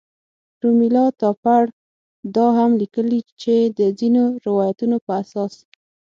رومیلا تاپړ دا هم لیکلي چې د ځینو روایتونو په اساس.